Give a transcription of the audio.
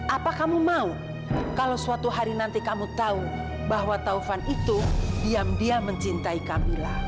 apa kamu mau kalau suatu hari nanti kamu tahu bahwa taufan itu diam diam mencintai kamila